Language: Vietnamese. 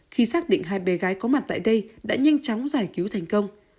khi xác định hai bé gái có mặt tại đây đã nhanh chóng giải cứu thành công